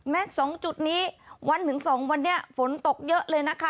แม้สองจุดนี้วันถึงสองวันเนี้ยฝนตกเยอะเลยนะคะ